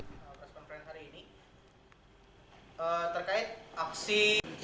pertemuan hari ini terkait aksi